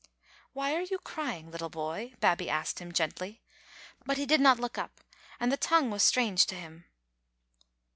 "Why are you crying, little boy?" Babbie asked him, gently; but he did not look up, and the tongue was strange to him.